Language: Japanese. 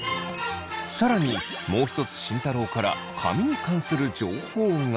更にもう一つ慎太郎から髪に関する情報が！